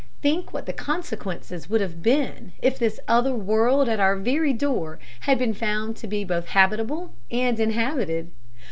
Think what the consequences would have been if this other world at our very door had been found to be both habitable and inhabited!